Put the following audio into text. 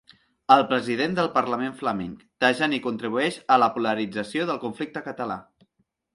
El president del parlament flamenc: ‘Tajani contribueix a la polarització del conflicte català’